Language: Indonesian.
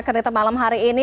ketemu malam hari ini